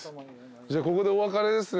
じゃあここでお別れですね。